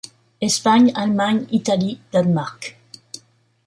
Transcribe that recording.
Espagne, Allemagne, Italie, Danemark...